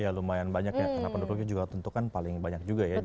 ya lumayan banyak ya karena penduduknya juga tentu kan paling banyak juga ya